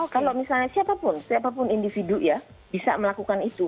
kalau misalnya siapapun siapapun individu ya bisa melakukan itu